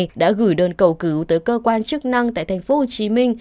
trường này đã gửi đơn cầu cứu tới cơ quan chức năng tại tp hcm